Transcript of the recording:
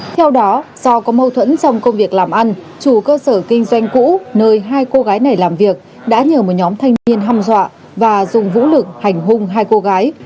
theo đó do có mâu thuẫn trong công việc làm ăn chủ cơ sở kinh doanh cũ nơi hai cô gái này làm việc đã nhờ một nhóm thanh niên hăm dọa và dùng vũ lực hành hung hai cô gái